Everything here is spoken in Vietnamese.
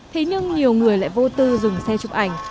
thì nhưng nhiều người lại vô tư dùng xe chụp ảnh